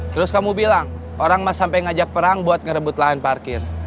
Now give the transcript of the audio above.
terus kamu bilang orang mas sampai ngajak perang buat ngerebut lahan parkir